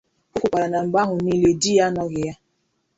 O kwukwara na mgbe ahụ niile di ya anọghị ya